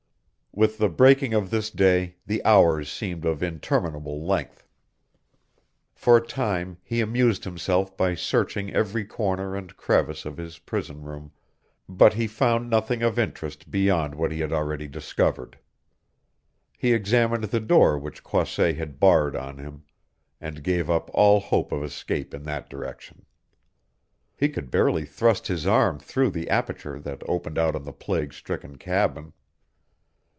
With the breaking of this day the hours seemed of interminable length. For a time he amused himself by searching every corner and crevice of his prison room, but he found nothing of interest beyond what he had already discovered. He examined the door which Croisset had barred on him, and gave up all hope of escape in that direction. He could barely thrust his arm through the aperture that opened out on the plague stricken cabin.